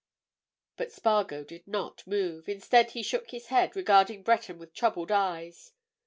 But Spargo did not move. Instead, he shook his head, regarding Breton with troubled eyes.